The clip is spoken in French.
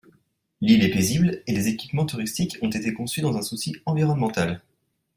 L'île est paisible et les équipements touristiques ont été conçus dans un souci environnemental.